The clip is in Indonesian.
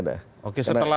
ada batasan waktunya bilkada